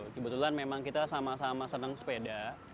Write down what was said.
kebetulan memang kita sama sama senang sepeda